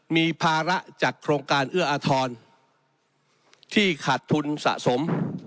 มีภาระจากโครงการเอื้ออาทรที่ขาดทุนสะสม